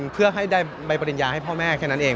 เพื่อให้ได้ใบปริญญาให้พ่อแม่แค่นั้นเอง